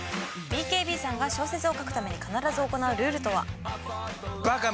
ＢＫＢさんが小説を書くために必ず行うルールとは？